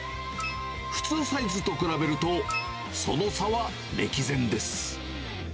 普通サイズと比べると、その差は歴然です。